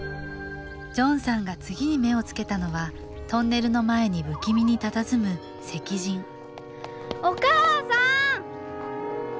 ジョンさんが次に目をつけたのはトンネルの前に不気味にたたずむお母さん！